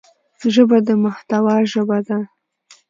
ژبه د محتوا ژبه ده